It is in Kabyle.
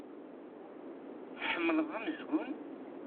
Tḥemmleḍ amezgun?